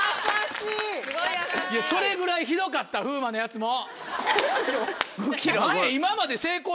それぐらいひどかった風磨のやつも！